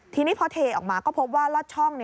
ทีนี้พอเทออกมาก็พบว่าลอดช่อง